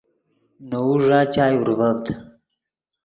نے وؤ ݱا چائے اورڤڤد